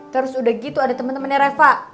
terus udah gitu ada temen temennya reva